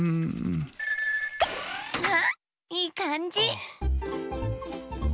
あいいかんじ！